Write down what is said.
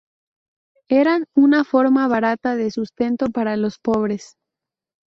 Eran una forma barata de sustento para los pobres.